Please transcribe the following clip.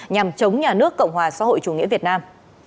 nhằm chống nhà nước cộng hòa xã hội chủ nghĩa việt nam